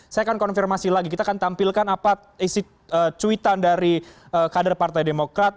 saya akan konfirmasi lagi kita akan tampilkan apa isi cuitan dari kader partai demokrat